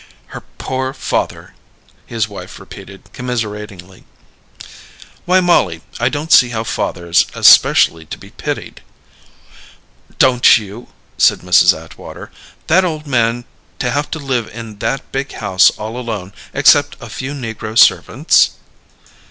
"Her poor father!" his wife repeated commiseratingly. "Why, Mollie, I don't see how father's especially to be pitied." "Don't you?" said Mrs. Atwater. "That old man, to have to live in that big house all alone, except a few negro servants?"